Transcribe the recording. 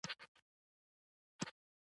ایا ستاسو یادښت قوي نه دی؟